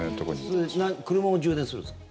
それ車を充電するんですか？